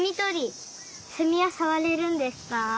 セミはさわれるんですか？